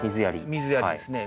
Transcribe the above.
水やりですね。